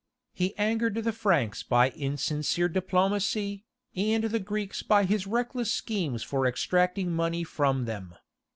He angered the Franks by insincere diplomacy, and the Greeks by his reckless schemes for extracting money from them.